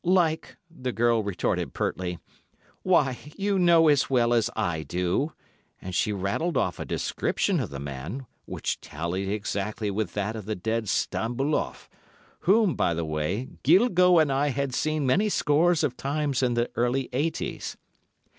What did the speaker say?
"Like," the girl retorted pertly. "Why, you know as well as I do," and she rattled off a description of the man, which tallied exactly with that of the dead Stambuloff, whom, by the way, Guilgaut and I had seen many scores of times in the early eighties.